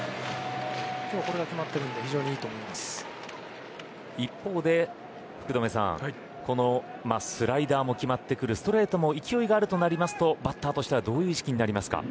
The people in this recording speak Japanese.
今日は、これが決まってるんで一方で福留さんこのスライダーも決まってくるストレートも勢いがあるとなるとバッターとしてはどういう意識になりますか。